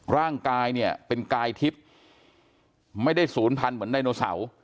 ร่างกายเนี่ยเป็นกายทิพย์ไม่ได้ศูนย์พันธุ์เหมือนไดโนเสาร์